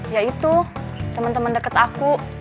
ya itu temen temen deket aku